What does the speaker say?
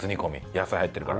野菜入ってるから。